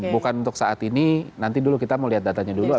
bukan untuk saat ini nanti dulu kita mau lihat datanya dulu